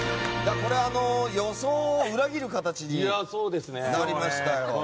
予想を裏切る形になりました。